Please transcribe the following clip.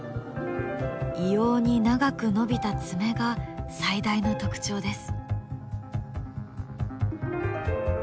異様に長く伸びた爪が最大の特徴です。